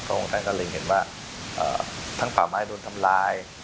เพราะว่าท่านก็เลยเห็นว่าทั้งป่าไม้โดนทำร้าย